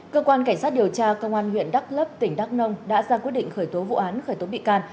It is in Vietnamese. cơ quan cảnh sát điều tra công an huyện đắk lấp tỉnh đắk nông đã ra quyết định khởi tố vụ án khởi tố bị can